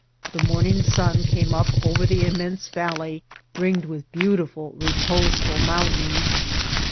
The morn ing sun came up over the immense valley ringed with beautiful, reposeful mountains.